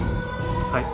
はい。